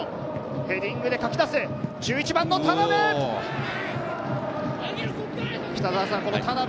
ヘディングでかき出す１１番の田邉。